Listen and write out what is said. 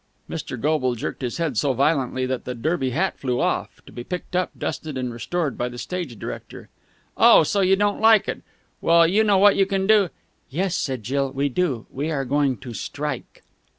Mr. Goble jerked his head so violently that the Derby hat flew off, to be picked up, dusted, and restored by the stage director. "Oh, so you don't like it? Well, you know what you can do...." "Yes," said Jill, "we do. We are going to strike."